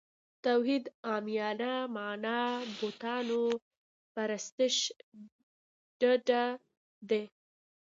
توحید عامیانه معنا بوتانو پرستش ډډه دی.